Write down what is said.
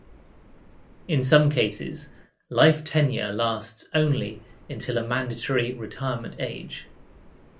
In some cases, life tenure lasts only until a mandatory retirement age.